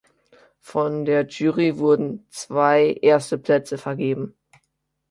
Von der Jury wurden "zwei" Erste Plätze vergeben.